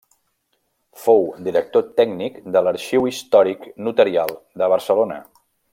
Fou director tècnic de l'Arxiu Històric Notarial de Barcelona.